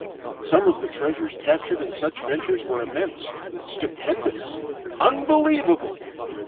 Some of the treasures captured in such ventures were immense, stupendous, unbelievable.